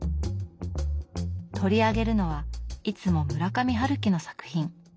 取り上げるのはいつも村上春樹の作品。